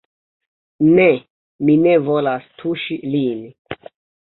Ne, mi ne volas tuŝi lin!